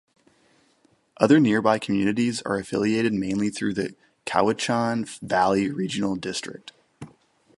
Other nearby communities are affiliated mainly through the Cowichan Valley Regional District.